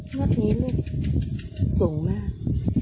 เมื่อกี้เลขสูงมาก